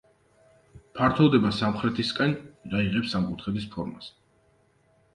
ფართოვდება სამხრეთისაკენ და იღებს სამკუთხედის ფორმას.